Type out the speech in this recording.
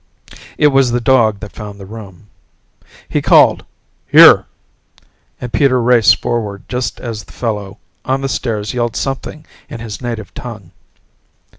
It was the dog that found the room. He called, "Here!" and Peter raced forward just as the fellow on the stairs yelled something in his native tongue.